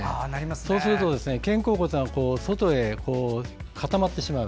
そうすると、肩甲骨が外へ固まってしまう。